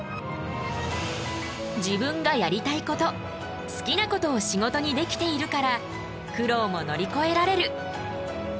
自分がやりたいこと好きなことを仕事にできているから苦労も乗りこえられる。